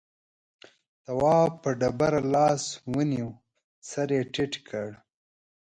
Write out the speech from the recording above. تواب په ډبره لاس ونيو سر يې ټيټ کړ.